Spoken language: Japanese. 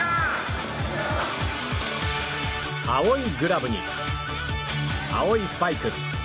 青いグラブに青いスパイク。